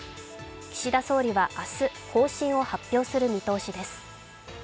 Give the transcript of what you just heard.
岸田総理は明日、方針を発表する見通しです。